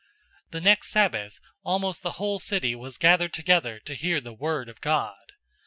013:044 The next Sabbath almost the whole city was gathered together to hear the word of God.